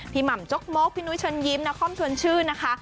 หม่ำจกมกพี่นุ้ยเชิญยิ้มนครชวนชื่นนะคะ